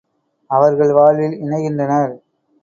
அவர்கள் வாழ்வில் இணைகின்றனர்.